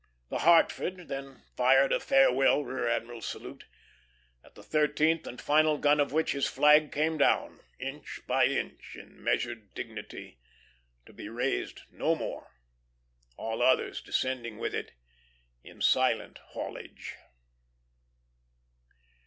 The Hartford then fired a farewell rear admiral's salute, at the thirteenth and final gun of which his flag came down inch by inch, in measured dignity, to be raised no more; all others descending with it in silent haulage.